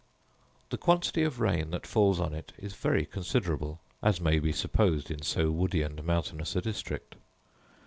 The quantity of rain that falls on it is very considerable, as may be supposed in so woody and mountainous a district.